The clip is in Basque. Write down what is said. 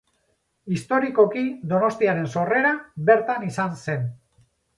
Historikoki Donostiaren sorrera bertan izan zen.